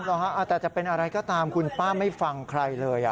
หรอฮะแต่จะเป็นอะไรก็ตามคุณป้าไม่ฟังใครเลย